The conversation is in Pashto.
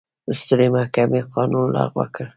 سترې محکمې قانون لغوه کړ.